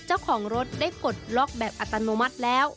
เจ้าของรถได้ปลดล็อกแบบอัตโนมัติแล้ว